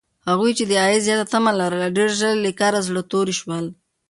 هغوی چې د عاید زیاته تمه لرله، ډېر ژر له کاره زړه توري شول.